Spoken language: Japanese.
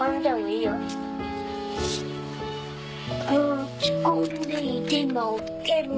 落ち込んでいてもいても！